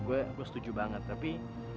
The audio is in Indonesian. gue setuju banget tapi